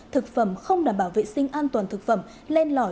thực phẩm không đảm bảo vệ sinh an toàn thực phẩm lên lỏi